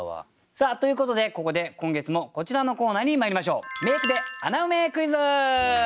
さあということでここで今月もこちらのコーナーにまいりましょう。